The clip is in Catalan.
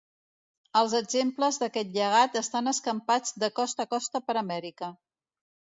Els exemples d'aquest llegat estan escampats de costa a costa per Amèrica.